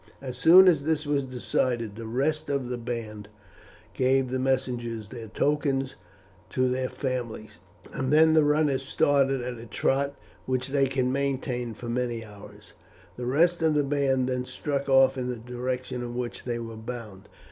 As soon as this was decided the rest of the band gave the messengers their tokens to their families, and then the runners started at a trot which they could maintain for many hours. The rest of the band then struck off in the direction in which they were bound.